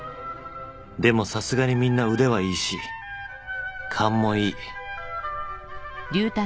でもさすがにみんな腕はいいし勘もいい